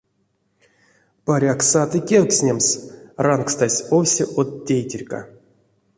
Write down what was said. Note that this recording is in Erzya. Паряк, саты кевкстнемс? — рангстась овсе од тейтерька.